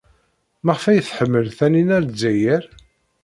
Maɣef ay themmel Taninna Lezzayer?